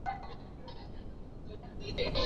Jamhuri ya kidemokrasia ya Kongo